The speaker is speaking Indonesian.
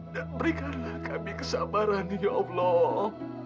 dan berikanlah kami kesabaran ya allah